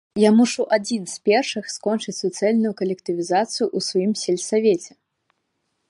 Я мушу адзін з першых скончыць суцэльную калектывізацыю ў сваім сельсавеце!